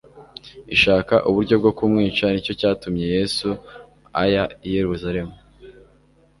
ishaka uburyo bwo kumwica; nicyo cyatumye Yesu aya i Yerusalemu,